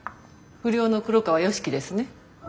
不良の黒川良樹ですね。